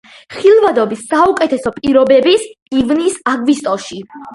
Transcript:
ხილვადობის საუკეთესო პირობებია ივნის-აგვისტოში.